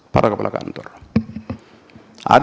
para kepala kantor